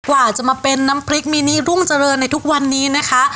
ว่าจะมาเป็นน้ำพริกมินิรุ่งเจริญในทุกวันนี้นะคะ